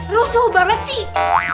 nusuh banget sih